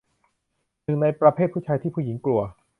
หนึ่งในประเภทผู้ชายที่ผู้หญิงกลัว